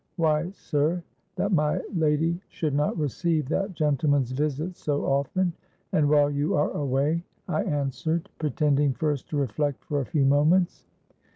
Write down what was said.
'—'Why, sir, that my lady should not receive that gentleman's visits so often, and while you are away,' I answered, pretending first to reflect for a few moments.